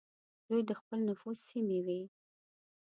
دوی د خپل نفوذ سیمې وې.